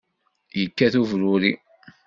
Yekkat ubruri.